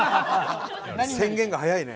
宣言が早いね。